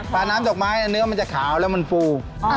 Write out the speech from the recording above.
น้ำดอกไม้เนื้อมันจะขาวแล้วมันฟู